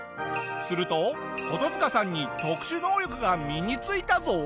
するとコトヅカさんに特殊能力が身についたぞ。